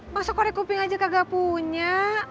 masa korek kuping aja gak punya